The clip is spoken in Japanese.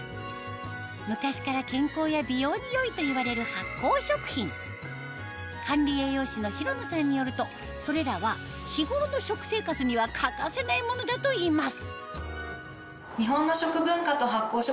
昔から健康や美容に良いといわれる管理栄養士のひろのさんによるとそれらは日頃の食生活には欠かせないものだといいます